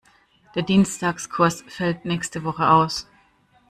Der Dienstagskurs fällt nächste Woche aus.